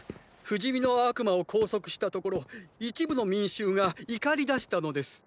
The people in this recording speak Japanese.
不死身の悪魔を拘束したところ一部の民衆が怒りだしたのです。